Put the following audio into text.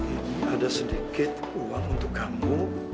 ini ada sedikit uang untuk kamu